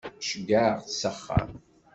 Ceggɛeɣ-tt s axxam.